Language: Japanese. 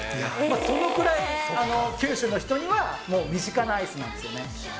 そのくらい九州の人にはもう身近なアイスなんですよね。